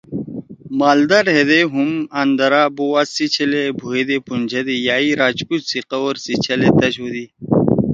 مالدا ہیدے ہُم آندرا بُوآزسی چھلے بُھوئے دے پونجَدی یا یی راجپوپ سی قَور سی چھلے تش ہودی۔